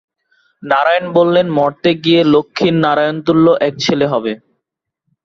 নারায়ণ বললেন, মর্ত্যে গিয়ে লক্ষ্মীর নারায়ণ-তুল্য এক ছেলে হবে।